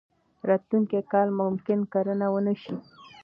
راتلونکی کال ممکن کرنه ونه شي.